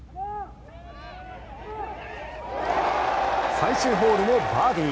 最終ホールもバーディー。